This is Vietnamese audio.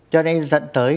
cho nên dẫn tới